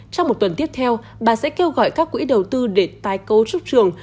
trong một tuần tiếp theo bà sẽ kêu gọi các quỹ đầu tư để tái cấu trúc trường